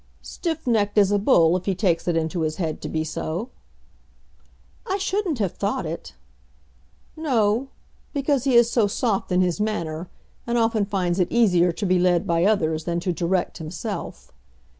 "Stiff necked as a bull if he takes it into his head to be so." "I shouldn't have thought it." "No; because he is so soft in his manner, and often finds it easier to be led by others than to direct himself."